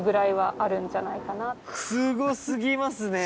すご過ぎますね。